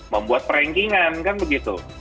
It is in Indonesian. membuat per rankingan kan begitu